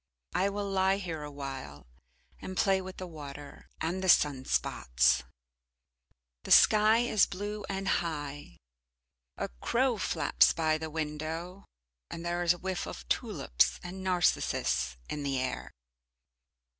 I will lie here awhile and play with the water and the sun spots. The sky is blue and high. A crow flaps by the window, and there is a whiff of tulips and narcissus in the air.